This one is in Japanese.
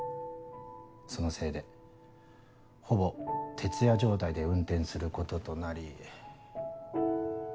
そのせいでほぼ徹夜状態で運転することとなり。